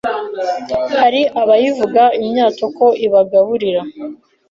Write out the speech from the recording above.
Hari abayivuga imyato ko ibagaburira,